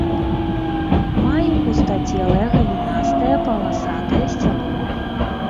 Мае пустацелае галінастае паласатае сцябло.